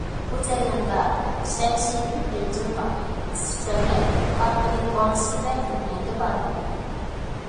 بۇ جەرياندا شەنشىدىن بېيجىڭغا، سىچۈەنگە، ئارقىدىن گۇاڭشى ۋە يۈننەنگە باردىم.